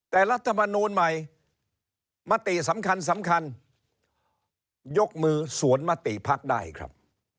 แต่รัฐมนูลใหม่มติสำคัญสำคัญยกมือสวนมติภักดิ์ได้ครับ